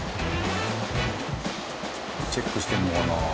チェックしてるのかな？